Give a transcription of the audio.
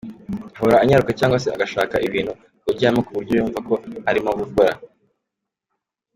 Ahora anyaruka cyangwa se agashaka ibintu ahugiramo ku buryo yumva ko arimo gukora.